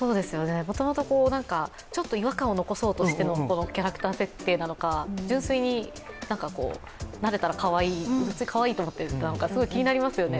もともとちょっと違和感を残そうとしてのキャラクター設定なのか純粋に慣れたらかわいいと思っていたのか、すごい気になりますよね